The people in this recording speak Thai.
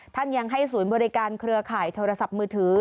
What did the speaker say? ท่านยังให้ศูนย์บริการเครือข่ายโทรศัพท์มือถือ